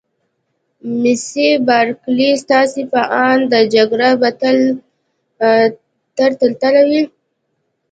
مس بارکلي: ستاسي په اند دا جګړه به تل تر تله وي؟